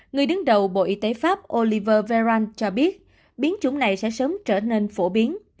người đứng đầu bộ y tế pháp oliver venaland cho biết biến chủng này sẽ sớm trở nên phổ biến